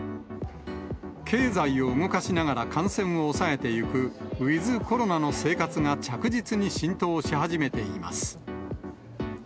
経済を動かしながら感染を抑えていくウィズコロナの生活が着実に浸透し始めています。